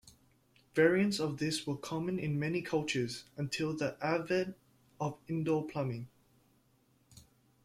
Variants of this were common in many cultures until the advent of indoor plumbing.